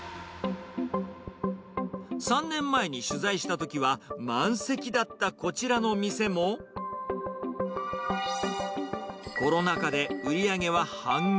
３年前に取材したときは、満席だったこちらの店も、コロナ禍で売り上げは半減。